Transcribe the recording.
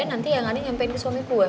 nanti yang aneh nyampein ke suami gue